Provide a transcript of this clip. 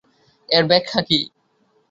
এর ব্যাখ্যা কী?